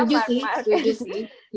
tujuh sih tujuh sih